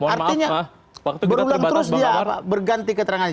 artinya berulang terus dia berganti keterangannya